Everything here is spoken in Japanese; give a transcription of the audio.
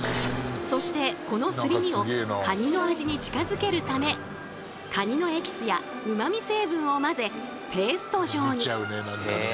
そしてこのすり身をカニの味に近づけるためカニのエキスやうまみ成分を混ぜペースト状に。